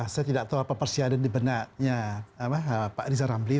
saya tidak tahu apa persiadan di benak pak riza ramli